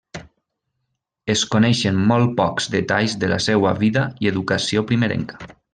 Es coneixen molt pocs detalls de la seua vida i educació primerenca.